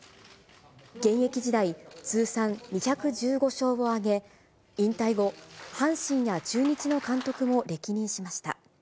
現役時代、通算２１５勝を挙げ、引退後、阪神や中日の監督を歴任しました。